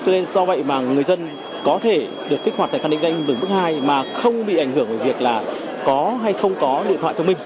do vậy mà người dân có thể được kích hoạt tài khoản định danh bước hai mà không bị ảnh hưởng về việc là có hay không có điện thoại thông minh